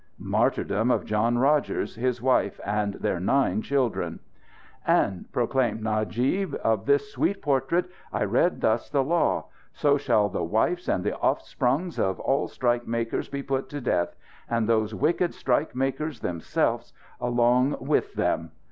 "Martyrdom of John Rogers, His Wife and Their Nine Children." "And," proclaimed Najib, "of this sweet portrait I read thus the law: 'So shall the wifes and the offsprungs of all strike makers be put to death; and those wicked strike makers themselfs along with them.'